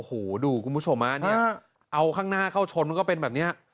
โอ้โหดูคุณผู้ชมเอาข้างหน้าเข้าชนก็เป็นแบบนี้